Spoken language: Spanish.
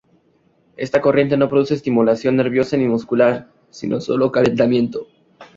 Esta corriente no produce estimulación nerviosa ni muscular, sino solo calentamiento.